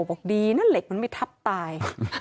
บอกดีนะเหล็กมันไม่ทับตาย